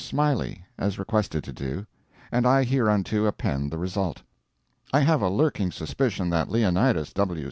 Smiley, as requested to do, and I hereunto append the result. I have a lurking suspicion that Leonidas W.